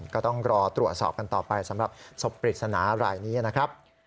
ก็ต้องรอตรวจสอบกันต่อไปสำหรับศพปริศนารายนี้นะครับ